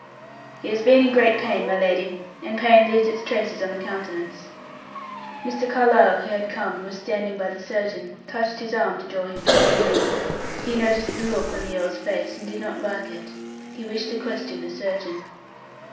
"He has been in great pain, my lady, and pain leaves its traces on the countenance." Mr. Carlyle, who had come, and was standing by the surgeon, touched his arm to draw him from the room. He noticed the look on the earl's face, and did not like it; he wished to question the surgeon.